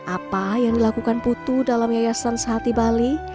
apa yang dilakukan putu dalam yayasan sehati bali